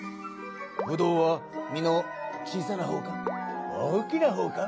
ぶどうは実の小さなほうか大きなほうか。